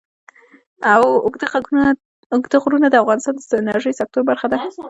اوږده غرونه د افغانستان د انرژۍ سکتور برخه ده.